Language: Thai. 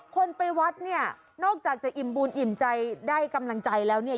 คนไปวัดเนี่ยนอกจากจะอิ่มบุญอิ่มใจได้กำลังใจแล้วเนี่ย